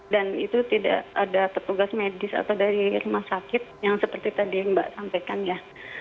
dan itu tidak ada tetugas medis atau dari rumah sakit yang seperti tadi mbak sampaikan ya